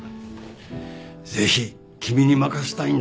ぜひ君に任したいんだ。